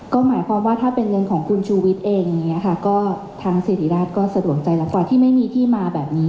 ก็หมายความว่าถ้าเป็นเงินของคุณชุวิตเองทางศิริราชก็สะดวกใจกว่าที่ไม่มีที่มาแบบนี้